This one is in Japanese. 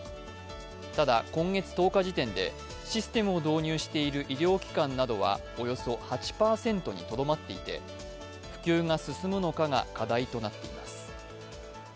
ただ今月１０日時点でシステムを導入している医療機関などはおよそ８％にとどまっていて、普及が進むのかが課題となっています。